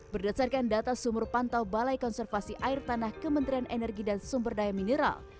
berdasarkan data sumur pantau balai konservasi air tanah kementerian energi dan sumber daya mineral